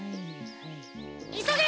いそげ！